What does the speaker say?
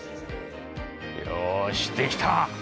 よしできた！